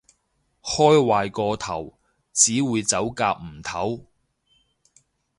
開壞個頭，只會走夾唔唞